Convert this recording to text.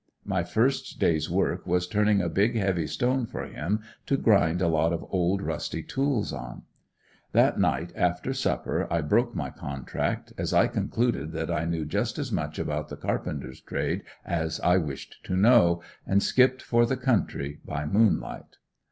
My first day's work was turning a big heavy stone for him to grind a lot of old, rusty tools on. That night after supper I broke my contract, as I concluded that I knew just as much about the carpenter's trade as I wished to know, and skipped for the country, by moonlight.